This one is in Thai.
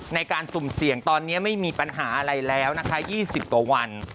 ในการสุ่มเสี่ยงตอนนี้ไม่มีปัญหาอะไรแล้วนะคะ๒๐กว่าวัน